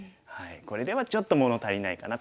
これではちょっと物足りないかな。